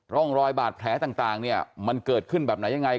ร่องรอยบาดแผลต่างเนี่ยมันเกิดขึ้นแบบไหนยังไง